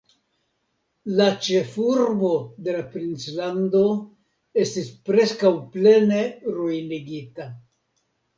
La ĉefurbo de la princlando estis preskaŭ plene ruinigita.